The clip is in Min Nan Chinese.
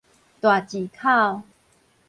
大舌口